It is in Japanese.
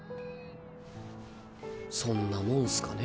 そんなもんスかね。